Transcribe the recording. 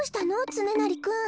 つねなりくん。